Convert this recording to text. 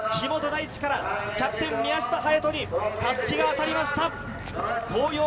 木本大地からキャプテン・宮下隼人に襷が渡りました。